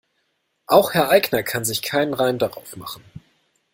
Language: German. Auch Herr Aigner kann sich keinen Reim darauf machen.